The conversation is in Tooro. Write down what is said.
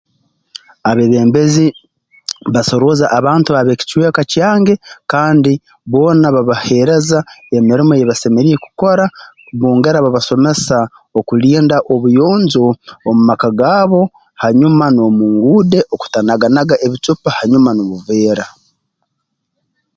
Abeebembezi baasorooza abantu ab'ekicweka kyange kandi boona babaheereza emirimo ei basemeriire kukora bongera babasomesa okulinda obuyonjo omu maka gaabo hanyuma n'omu nguude okutanaganaga ebicupa hanyuma n'obuveera